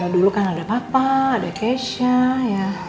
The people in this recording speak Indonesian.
dulu kan ada papa ada keisha ya